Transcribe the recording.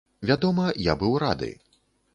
Вядома, я быў рады.